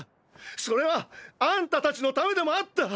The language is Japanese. それはあんたたちのためでもあった！！